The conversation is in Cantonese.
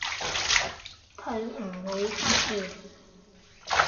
佢唔會黑面